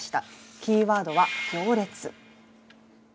キーワードは「行列」。